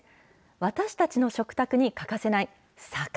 私たちの食卓に欠かせない魚。